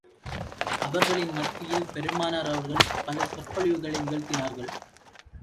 அவர்களின் மத்தியில் பெருமானார் அவர்கள், பல சொற்பொழிவுகளை நிகழ்த்தினார்கள்.